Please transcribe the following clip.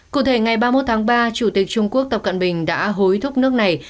cụ thể ngày ba mươi một tháng ba chủ tịch trung quốc tập cận bình đã hối thúc nước này